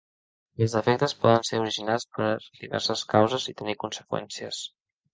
Els defectes poden ser originats per diverses causes i tenir conseqüències.